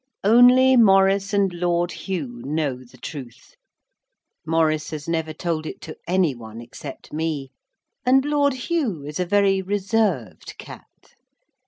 Only Maurice and Lord Hugh know the truth Maurice has never told it to any one except me, and Lord Hugh is a very reserved cat.